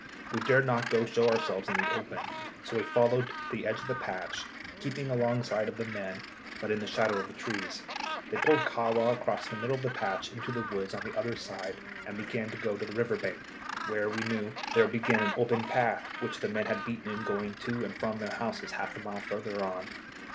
We dared not show ourselves in the open, so we followed the edge of the patch, keeping alongside of the men, but in the shadow of the trees. They pulled Kahwa across the middle of the patch into the woods on the other side, and down to the river bank, where, we knew, there began an open path which the men had beaten in going to and from their houses half a mile further on.